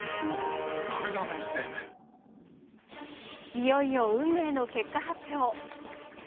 いよいよ運命の結果発表。